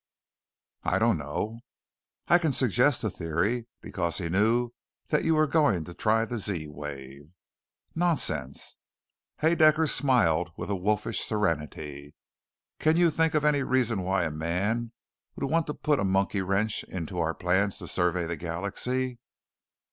"I don't know." "I can suggest a theory. Because he knew that you were going to try the Z wave." "Nonsense!" Haedaecker smiled with a wolfish serenity. "Can you think of any reason why any man would want to put a monkey wrench into our plans to survey the galaxy?"